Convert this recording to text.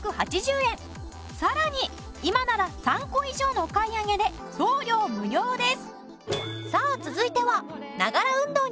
さらに今なら３個以上のお買い上げで送料無料です。